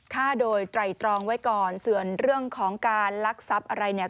ฆ่าโดยไตรตรองไว้ก่อนส่วนเรื่องของการลักทรัพย์อะไรเนี่ย